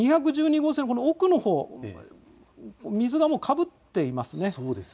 号線の奥のほう水がもうかぶっていますね。